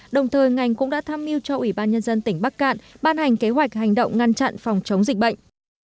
đồng thời ngành cũng đã tham mưu cho ủy ban nhân dân tỉnh bắc cạn ban hành kế hoạch hành động ngăn chặn phòng chống dịch bệnh